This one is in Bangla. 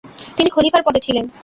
তিনি খলিফার পদে ছিলেন।